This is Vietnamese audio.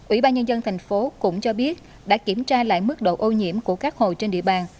ủy ban nhân dân thành phố cũng cho biết đã kiểm tra lại mức độ ô nhiễm của các hồ trên địa bàn